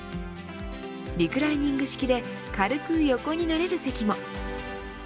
リクライニング式で軽く横になれる席も。